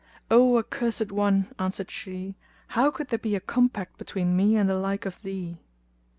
"O accursed one," answered she, "how could there be a compact between me and the like of thee?"